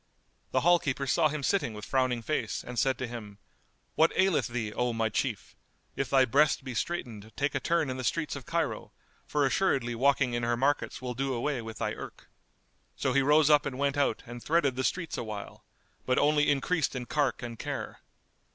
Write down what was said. The hall keeper saw him sitting with frowning face and said to him, "What aileth thee, O my Chief? If thy breast be straitened take a turn in the streets of Cairo, for assuredly walking in her markets will do away with thy irk." So he rose up and went out and threaded the streets awhile, but only increased in cark and care.